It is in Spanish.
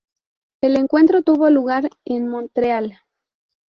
El encuentro tuvo lugar en Montreal.